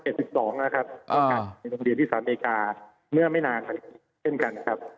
ในโรงเรียนที่สหรัฐอเมริกาเมื่อไม่นานเช่นกันครับ